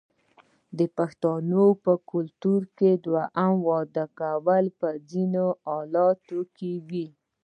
د پښتنو په کلتور کې د دویم واده کول په ځینو حالاتو کې وي.